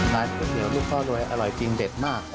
ก๋วยเตี๋ยวลูกพ่อรวยอร่อยจริงเด็ดมาก